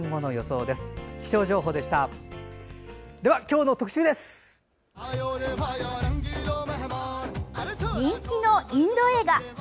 人気のインド映画。